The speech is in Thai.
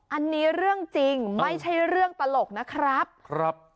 อันนี้เรื่องจริงไม่ใช่เรื่องตลกนะครับครับ